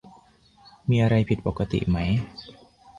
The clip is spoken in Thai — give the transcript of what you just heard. มีอะไรผิดปกติไหม